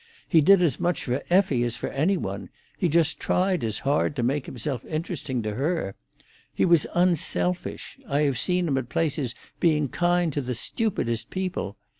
He did as much for Effie as for any one; he tried just as hard to make himself interesting to her. He was unselfish. I have seen him at places being kind to the stupidest people.